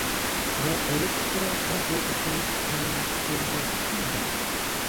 La elektra kampo estas konservativa.